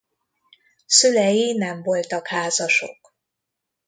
Szülei nem voltak házasok.